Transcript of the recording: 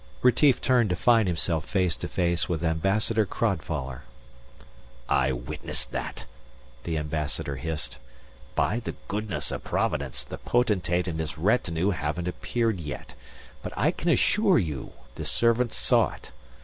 Retief turned to find himself face to face with Ambassador Crodfoller. "I witnessed that," The Ambassador hissed. "By the goodness of Providence, the Potentate and his retinue haven't appeared yet. But I can assure you the servants saw it.